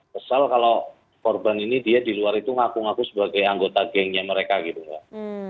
kesal kalau korban ini dia di luar itu ngaku ngaku sebagai anggota gengnya mereka gitu mbak